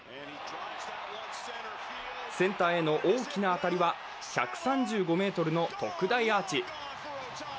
センターの大きな当たりは１３５ｍの特大アーチ。